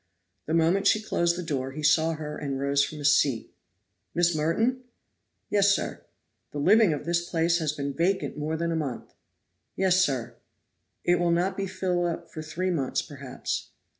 The moment she closed the door he saw her and rose from his seat. "Miss Merton?" "Yes, sir." "The living of this place has been vacant more than a month." "Yes, sir." "It will not be filled up for three months, perhaps."